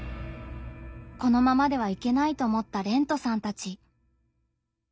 このままではいけないと思ったれんとさんたち。